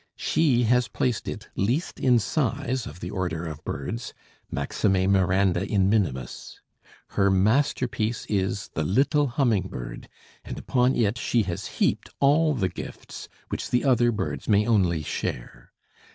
She has placed it least in size of the order of birds, maxime miranda in minimis. Her masterpiece is the little humming bird, and upon it she has heaped all the gifts which the other birds may only share.